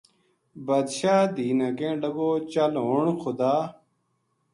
بادشاہ دھی نا کہن لگو چل ہن خدا